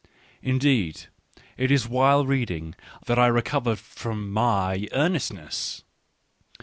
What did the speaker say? Indeed, it is while reading that I recover from my earnestness.